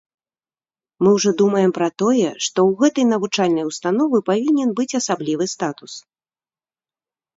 Мы ўжо думаем пра тое, што ў гэтай навучальнай установы павінен быць асаблівы статус.